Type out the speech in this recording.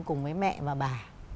cùng với mẹ và bà